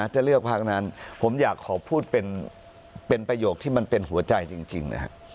จะเลือกภาคนั้นผมอยากขอพูดเป็นประโยคที่มันเป็นหัวใจจริงนะครับ